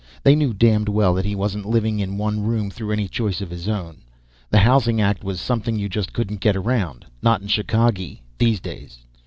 They knew damned well that he wasn't living in one room through any choice of his own. The Housing Act was something you just couldn't get around; not in Chicagee these days.